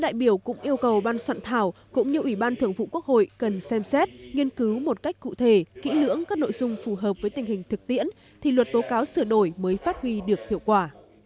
đại biểu cũng như ủy ban thượng vụ quốc hội cần xem xét nghiên cứu một cách cụ thể kỹ lưỡng các nội dung phù hợp với tình hình thực tiễn thì luật tố cáo sửa đổi mới phát huy được hiệu quả